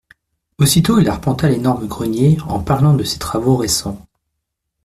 Aussitôt il arpenta l'énorme grenier en parlant de ses travaux récents.